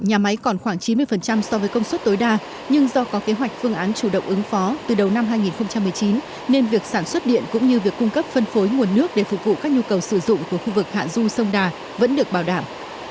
nhà máy còn khoảng chín mươi so với công suất tối đa nhưng do có kế hoạch phương án chủ động ứng phó từ đầu năm hai nghìn một mươi chín nên việc sản xuất điện cũng như việc cung cấp phân phối nguồn nước để phục vụ các nhu cầu sử dụng của khu vực hạ du sông đà vẫn được bảo đảm